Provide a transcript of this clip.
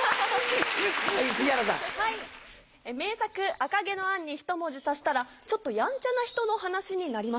『赤毛のアン』にひと文字足したらちょっとヤンチャな人の話になりました。